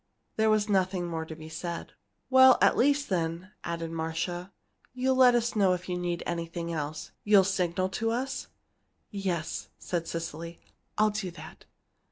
There was nothing more to be said. "At least, then," added Marcia, "you'll let us know if you need anything else you'll signal to us?" "Yes," said Cecily, "I'll do that."